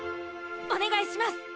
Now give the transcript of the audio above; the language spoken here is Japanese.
おねがいします！